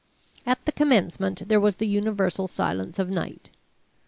At the commencement there was the universal silence of night.